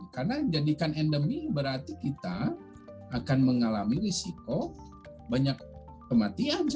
karena jadikan endemi berarti kita akan mengalami risiko banyak kematian